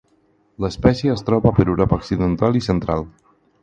L'espècie es troba per Europa Occidental i Central.